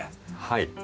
はい。